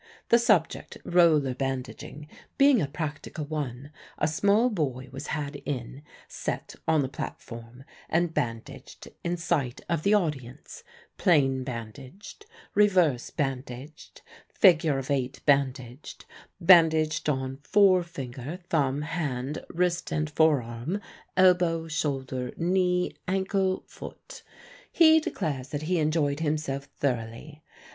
The subject roller bandaging being a practical one, a small boy was had in, set on the platform, and bandaged in sight of the audience plain bandaged, reverse bandaged, figure of eight bandaged, bandaged on forefinger, thumb, hand, wrist and forearm, elbow, shoulder, knee, ankle, foot. He declares that he enjoyed himself thoroughly.